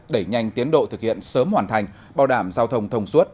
đẩy nhanh tiến độ thực hiện sớm hoàn thành bảo đảm giao thông thông suốt